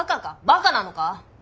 バカなのか？